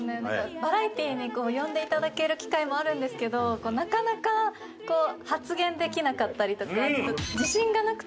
バラエティにこう呼んでいただける機会もあるんですけどなかなか発言できなかったりとかちょっと自信がなくて。